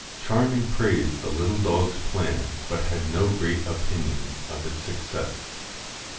Charming praised the little dog's plan, but had no great opinion of its success.